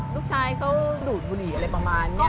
ลูกชายเขาดูดบุหรี่อะไรประมาณนี้